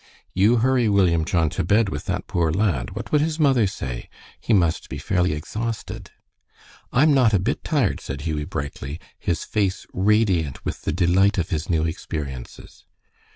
"You hurry, William John, to bed with that poor lad. What would his mother say? He must be fairly exhausted." "I'm not a bit tired," said Hughie, brightly, his face radiant with the delight of his new experiences.